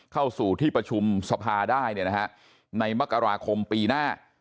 เข้าสู่ที่ประชุมสภาได้ในมกราคมปีหน้า